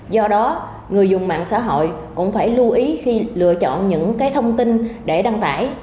do đó người dùng mạng xã hội cũng phải lưu ý khi lựa chọn những thông tin để đăng tải